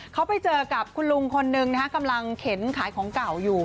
เขาไปเจอกับคุณลุงคนนึงนะฮะกำลังเข็นขายของเก่าอยู่